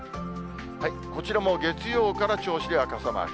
こちらも月曜から銚子では傘マーク。